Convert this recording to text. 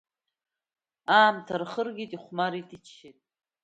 Аамҭа рхыргеит, ихәмарит, иччеит…